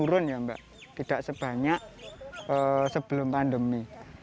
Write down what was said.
turun ya mbak tidak sebanyak sebelum pandemi